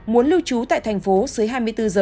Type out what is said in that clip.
muốn lưu trú tại thành phố suối hai mươi bốn h